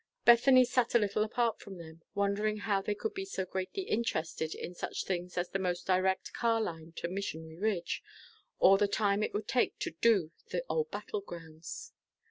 Bethany sat a little apart from them, wondering how they could be so greatly interested in such things as the most direct car line to Missionary Ridge, or the time it would take to "do" the old battle grounds.